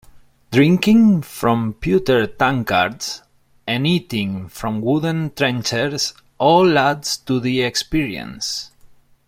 Drinking from pewter tankards and eating from wooden trencher all adds to the experience.